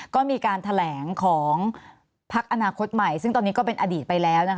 ก็มีการแถลงของพักอนาคตใหม่ซึ่งตอนนี้ก็เป็นอดีตไปแล้ว